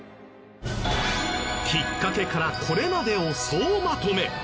きっかけからこれまでを総まとめ。